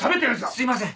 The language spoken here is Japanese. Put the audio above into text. すいません！